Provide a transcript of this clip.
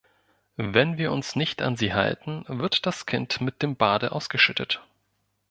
Wenn wir uns nicht an sie halten, wird das Kind mit dem Bade ausgeschüttet.